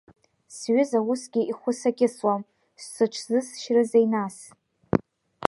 Сҩыза усгьы ихәы сакьысуам, сыҽзысшьрызеи, нас?